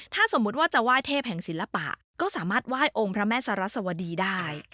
ถ้าสมมุติว่าจะไหว้เทพแห่งศิลปะก็สามารถไหว้องค์พระแม่สรัสวดีได้